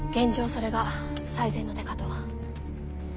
それが最善の手かと。